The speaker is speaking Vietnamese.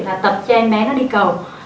là tập cho em bé nó đi cầu